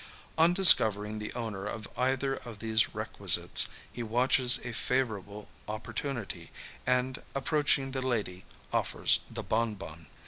On discovering the owner of either of these requisites, he watches a favourable opportunity, and approaching the lady, offers the bonbon.